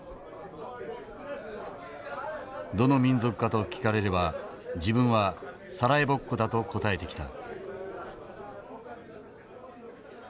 どの民族かと聞かれれば自分はサラエボっ子だと答えてきた。